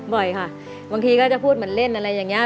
บ่อยค่ะบางทีก็จะพูดเหมือนเล่นอะไรอย่างนี้